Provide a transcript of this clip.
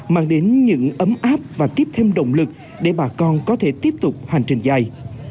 mang đến những ấm áp và tiếp thêm động lực để bà con có thể tiếp tục hành trình dài